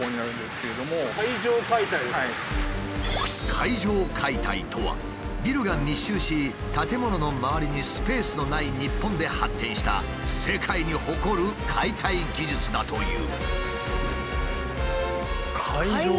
階上解体とはビルが密集し建物の周りにスペースのない日本で発展した世界に誇る解体技術だという。